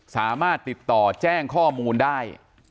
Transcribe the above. สามารถติดต่อแจ้งข้อมูลได้